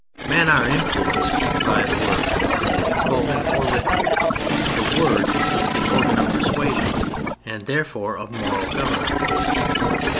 Men are influenced by the word. Spoken or written, the word is the organ of persuasion and, therefore, of moral government.